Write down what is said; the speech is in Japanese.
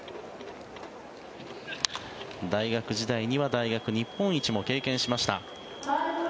大学時代には大学日本一も経験しました。